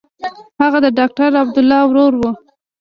هغه د ډاکټر عبدالله ورور و.